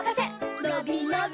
のびのび